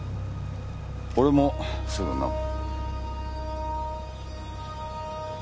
俺もすぐ飲む。